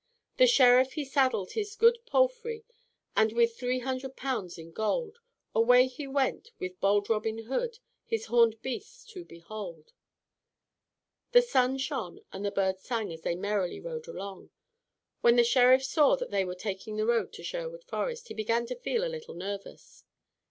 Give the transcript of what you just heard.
"The Sheriff he saddled his good palfrey, And with three hundred pounds in gold Away he went with bold Robin Hood, His horned beasts to behold." The sun shone and the birds sang as they merrily rode along. When the Sheriff saw that they were taking the road to Sherwood Forest, he began to feel a little nervous.